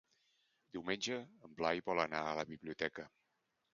Diumenge en Blai vol anar a la biblioteca.